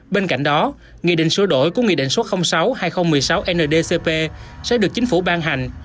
bên cạnh đó nghị định sửa đổi của nghị định số sáu hai nghìn một mươi sáu ndcp sẽ được chính phủ ban hành